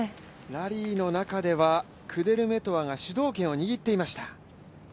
ラリーの中ではクデルメトワが主導権を握っていました。